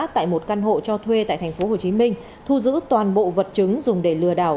tại một căn hộ cho thuê tại tp hcm thu giữ toàn bộ vật chứng dùng để lừa đảo